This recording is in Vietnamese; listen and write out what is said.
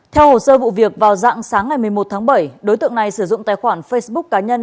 theo hồ sơ vụ việc vào dạng sáng ngày một mươi một tháng bảy đối tượng này sử dụng tài khoản facebook cá nhân